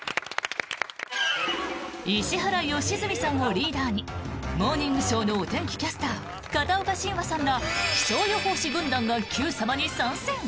石原良純さんをリーダーに「モーニングショー」のお天気キャスター片岡信和さんら気象予報士軍団が「Ｑさま！！」に参戦。